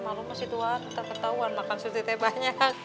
malah mah si tuhan tak ketahuan makan surti teh banyak